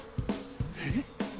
えっ？